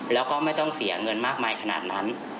แล้วก็ไม่ต้องเสียเงินมากมายขนาดนั้น